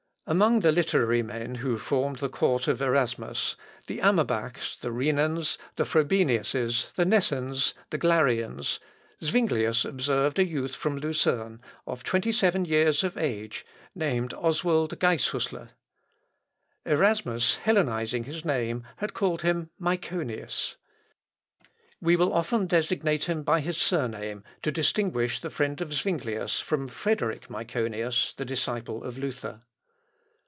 ] Among the literary men who formed the court of Erasmus, the Amerbachs, the Rhenans, the Frobeniuses, the Nessens, the Glareans, Zuinglius observed a youth from Lucerne, of twenty seven years of age, named Oswald Geisshüsler. Erasmus hellenising his name, had called him Myconius. We will often designate him by his surname, to distinguish the friend of Zuinglius from Frederick Myconius, the disciple of Luther.